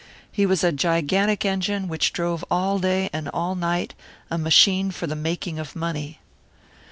He was a gigantic engine which drove all day and all night a machine for the making of money.